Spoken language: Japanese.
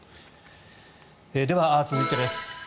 では、続いてです。